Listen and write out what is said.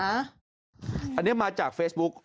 อันนี้มาจากเฟซบุ๊ก